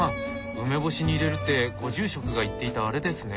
梅干しに入れるってご住職が言っていたあれですね。